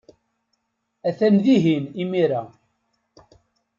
Atan dihin imir-a.